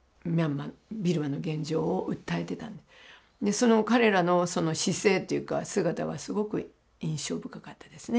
その彼らのその姿勢というか姿はすごく印象深かったですね。